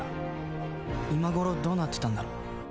今頃どうなってたんだろう